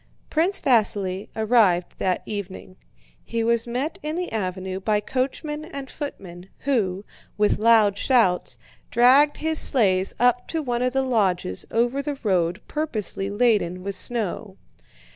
Prince Vasíli arrived that evening. He was met in the avenue by coachmen and footmen, who, with loud shouts, dragged his sleighs up to one of the lodges over the road purposely laden with snow.